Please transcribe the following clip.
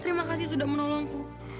terima kasih sudah menolongku